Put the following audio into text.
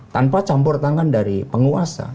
tanpa campur tangan dari penguasa